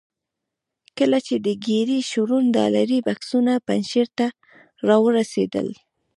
کله چې د ګیري شرون ډالري بکسونه پنجشیر ته را ورسېدل.